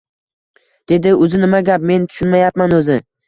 dedi. — Uzi, nima gap? Men tushunmayapman, o‘zi